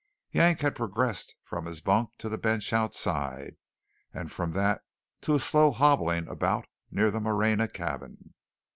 Yank had progressed from his bunk to the bench outside, and from that to a slow hobbling about near the Moreña cabin.